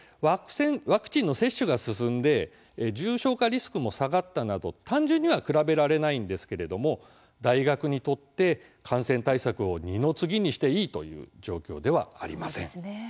ワクチンの接種が進んで重症化リスクも下がったなど単純には比べられないんですけれども大学にとって感染対策を二の次にしていいという状況ではありません。